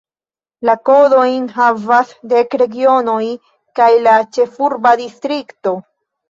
La kodojn havas dek regionoj kaj la ĉefurba distrikto.